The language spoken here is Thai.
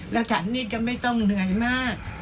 แล้วฉันนี่จะไม่ต้องเหนื่อยมาก